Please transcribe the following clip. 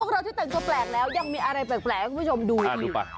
พวกเราจะเติมตัวแปลกแล้วยังมีอะไรแปลกให้คุณผู้ชมดู